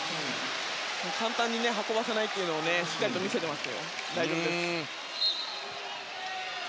簡単に運ばせないというのをしっかり見せています。